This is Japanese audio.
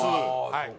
はい